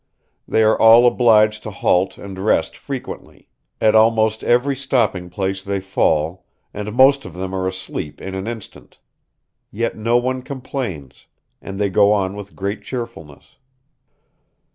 They are all obliged to halt and rest frequently; at almost every stopping place they fall, and most of them are asleep in an instant; yet no one complains, and they go on with great cheerfulness."